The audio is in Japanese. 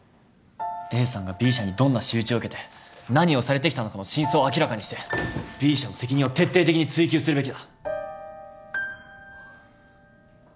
ＡさんがＢ社にどんな仕打ちを受けて何をされてきたのかの真相を明らかにしてＢ社の責任を徹底的に追及するべきだ。